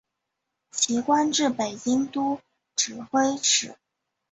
其官至北京都指挥使。